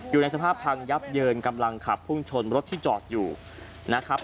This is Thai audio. อยู่ในสภาพพังยับเยินกำลังขับพุ่งชนรถที่จอดอยู่นะครับ